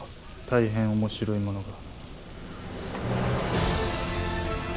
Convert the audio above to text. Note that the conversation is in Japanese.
大変面白いものが。